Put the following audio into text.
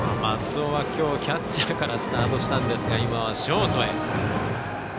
松尾は、きょうキャッチャーからスタートしたんですが今はショートへ。